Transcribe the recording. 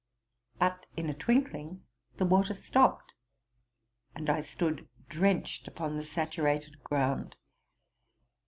But, in a twinkling, the water stopped ; and I stood drenched upon the saturated ground.